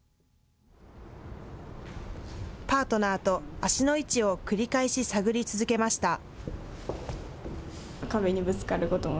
パートナーと足の位置を繰り返し探り続けました。